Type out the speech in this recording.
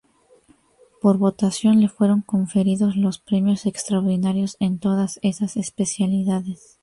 Por votación le fueron conferidos los premios extraordinarios en todas esas especialidades.